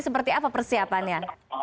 seperti apa persiapannya